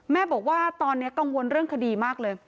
แม่บอกว่าตอนนี้กังวลเรื่องคดีมากเลย